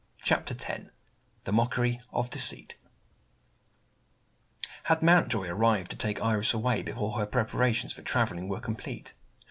CHAPTER X THE MOCKERY OF DECEIT HAD Mountjoy arrived to take Iris away, before her preparations for travelling were complete?